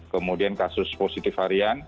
kemudian kasus positif harian